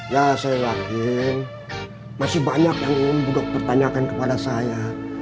ya saya yakin masih banyak yang ingin budok pertanyakan kepada saya